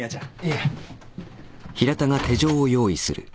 いえ。